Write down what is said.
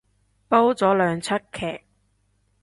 煲咗兩齣劇